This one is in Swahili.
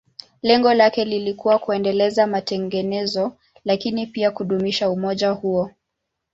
Lengo lake lilikuwa kuendeleza matengenezo, lakini pia kudumisha umoja huo.